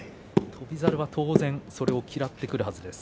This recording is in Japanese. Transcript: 翔猿はそれを嫌ってくるはずです。